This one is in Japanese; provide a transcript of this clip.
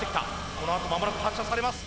このあと間もなく発射されます。